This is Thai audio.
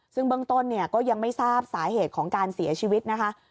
ซึ่งเบื้องต้นเนี่ยก็ยังไม่ทราบสาเหตุของการเสียชีวิตนะคะ